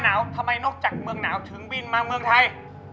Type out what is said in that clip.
ทำไมนกจากเมืองหนาวถึงบินมาเมืองไทย